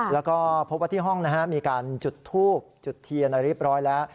แล้วก็พบว่าที่ห้องนะฮะมีการจุดทูบจุดเทียนอะไรเรียบร้อยแล้ว